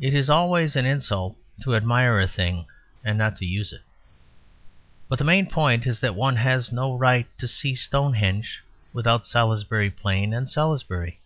It is always an insult to admire a thing and not use it. But the main point is that one has no right to see Stonehenge without Salisbury Plain and Salisbury.